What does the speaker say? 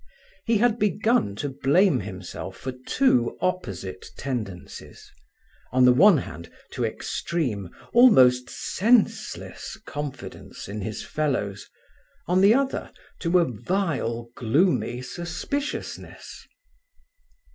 He had begun to blame himself for two opposite tendencies—on the one hand to extreme, almost "senseless," confidence in his fellows, on the other to a "vile, gloomy suspiciousness."